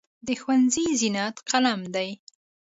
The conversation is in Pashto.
د ښوونځي زینت قلم دی.